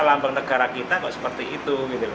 lambang negara kita kok seperti itu